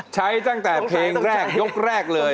ใช้ตั้งแต่เพลงแรกยกแรกเลย